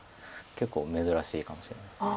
結構珍しいかもしれないです。